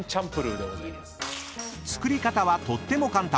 ［作り方はとっても簡単！